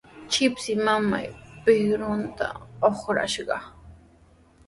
Shipshi mamaa pirurunta uqrashqa.